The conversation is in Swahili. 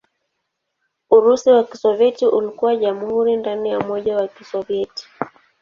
Urusi wa Kisovyeti ulikuwa jamhuri ndani ya Umoja wa Kisovyeti.